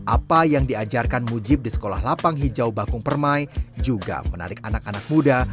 apa yang diajarkan mujib di sekolah lapang hijau bakung permai juga menarik anak anak muda